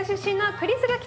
クリス！